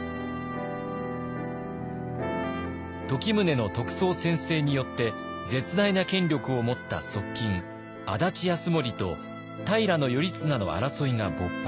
時宗の得宗専制によって絶大な権力を持った側近安達泰盛と平頼綱の争いが勃発。